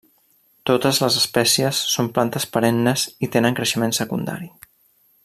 Totes les espècies són plantes perennes i tenen creixement secundari.